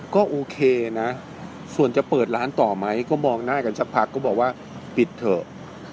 ก็โอเคนะส่วนจะเปิดร้านต่อไหมก็มองหน้ากันสักพักก็บอกว่าปิดเถอะ